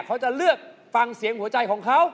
เขาจะเลือกฟังเสียงหัวใจของเขา